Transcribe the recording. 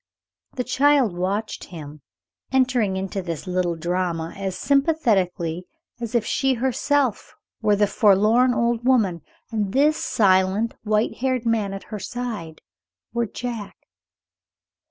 The child watched him, entering into this little drama as sympathetically as if she herself were the forlorn old woman, and this silent, white haired man at her side were Jack.